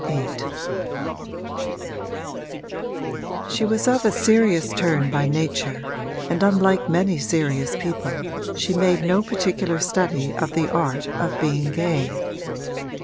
VIII She was of a serious turn by nature and unlike many serious people she made no particular study of the art of being gay.